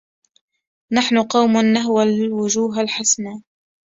نحن قوم نهوى الوجوه الحسانا